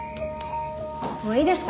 もういいですか？